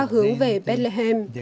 hướng về bethlehem